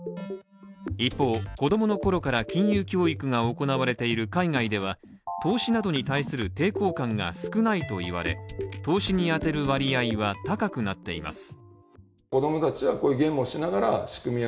一方、子供の頃から金融教育が行われている海外では、投資などに対する抵抗感が少ないと言われ投資に充てる割合は高くなっています。